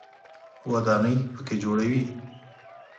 ودانۍ په کې جوړوي.